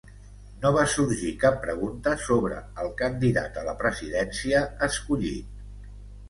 No va sorgir cap pregunta sobre el candidat a la presidència escollit.